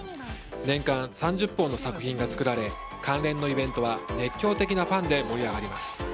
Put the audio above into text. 年間３０本の作品が作られ関連のイベントは熱狂的なファンで盛り上がります。